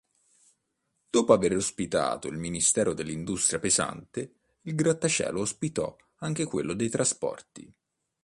Dopo aver ospitato il ministero dell'Industria pesante il grattacielo ospitò anche quello dei trasporti.